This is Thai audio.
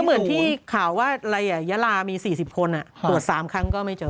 เหมือนที่ข่าวว่าอะไรยาลามี๔๐คนตรวจ๓ครั้งก็ไม่เจอ